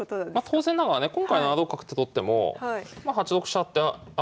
当然ながらね今回７六角と取っても８六飛車って上がれば受かるので。